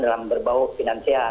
dalam berbau finansial